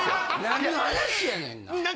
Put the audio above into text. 何の話やねんな。